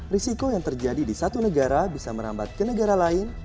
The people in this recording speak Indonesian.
risiko yang terjadi di satu negara bisa merambat ke negara lain